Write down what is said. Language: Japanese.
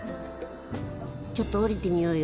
ちょっと降りてみようよ。